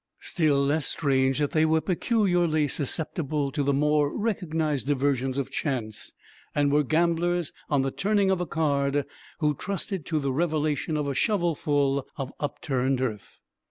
Still less strange that they were peculiarly susceptible to the more recognized diversions of chance, and were gamblers on the turning of a card who trusted to the revelation of a shovelful of upturned earth.